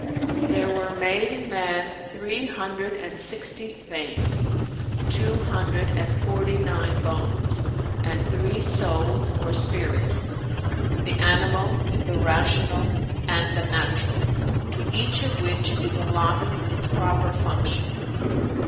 [FN#394] There were made in man three hundred and sixty veins, two hundred and forty nine bones, and three souls[FN#395] or spirits, the animal, the rational and the natural, to each of which is allotted its proper function.